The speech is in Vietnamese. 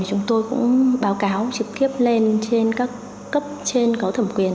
chúng tôi cũng báo cáo trực tiếp lên trên các cấp trên có thẩm quyền